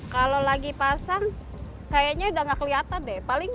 kalau lagi pasang kayaknya udah gak keliatan deh paling